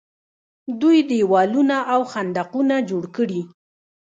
دوی دیوالونه او خندقونه جوړ کړي.